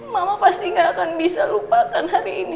mama pasti gak akan bisa lupakan hari ini